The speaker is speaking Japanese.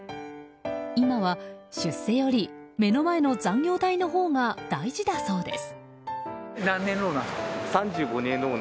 今は出世より、目の前の残業代のほうが大事だそうです。